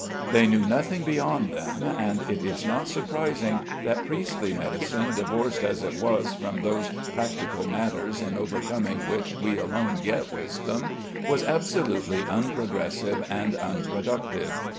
They knew nothing beyond them, and it is not surprising that priestly medicine, divorced as it was from those practical matters in overcoming which we alone get wisdom, was absolutely unprogressive and unproductive.